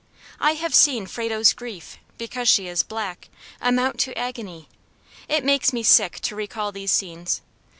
I have seen Frado's grief, because she is black, amount to agony. It makes me sick to recall these scenes.